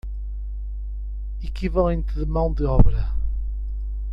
Equivalente de mão de obra